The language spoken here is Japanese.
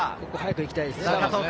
ここ、速く行きたいですね。